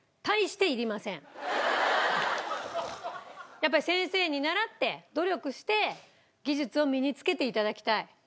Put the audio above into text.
やっぱり先生に習って努力して技術を身につけて頂きたい。